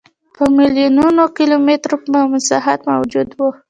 په میلیونونو کیلومترو په مساحت موجود و.